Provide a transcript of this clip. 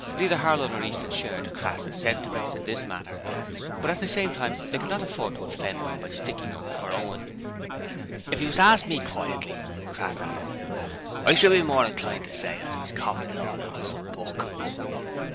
Neither Harlow nor Easton shared Crass's sentiments in this matter, but at the same time they could not afford to offend him by sticking up for Owen. 'If you was to ast me, quietly,' Crass added, 'I should be more inclined to say as 'e copied it all out of some book.'